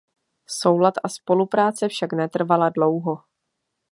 Soulad a spolupráce však netrvala dlouho.